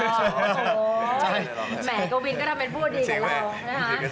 โอ้โหแหมกวินก็ทำเป็นผู้ดีกับเรานะคะ